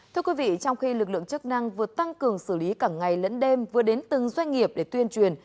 thưa quý vị trong khi lực lượng chức năng vừa tăng cường xử lý cả ngày lẫn đêm vừa đến từng doanh nghiệp để tuyên truyền